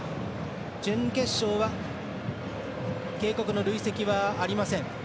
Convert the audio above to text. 準決勝は警告の累積はありません。